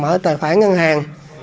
mở tài khoản ngân hàng